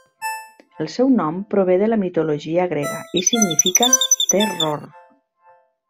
El seu nom prové de la mitologia grega i significa 'terror'.